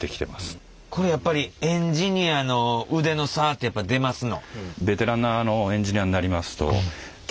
これやっぱりエンジニアの腕の差って出ますの？